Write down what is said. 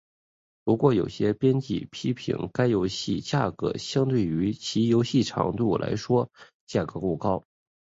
不过有些编辑批评该游戏价格相对于其游戏长度来说售价过高。